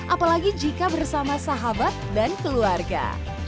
apalagi jika bersama sahabat dan keluarga